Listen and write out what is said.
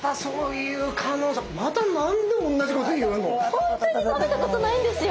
本当に食べたことないんですよ。